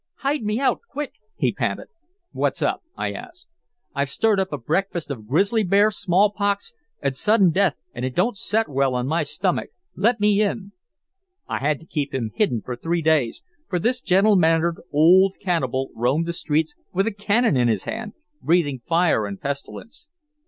"'Hide me out, quick!' he panted. "'What's up?' I asked. "'I've stirred up a breakfast of grizzly bear, smallpox, and sudden death and it don't set well on my stummick. Let me in.' "I had to keep him hidden three days, for this gentle mannered old cannibal roamed the streets with a cannon in his hand, breathing fire and pestilence."